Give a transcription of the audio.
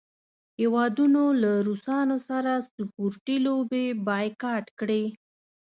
هیوادونو له روسانو سره سپورټي لوبې بایکاټ کړې.